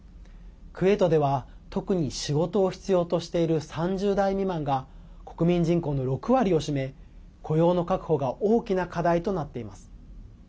クウェートでは特に仕事を必要としている３０代未満が国民人口の６割を占め雇用の確保が大きな課題となっています。